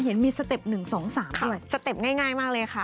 เห็นมีสเต็ปหนึ่งสองสามด้วยค่ะสเต็ปง่ายง่ายมากเลยค่ะ